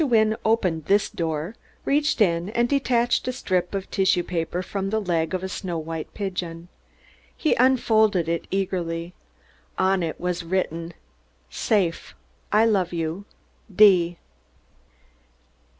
Wynne opened this door, reached in and detached a strip of tissue paper from the leg of a snow white pigeon. He unfolded it eagerly; on it was written: Safe. I love you.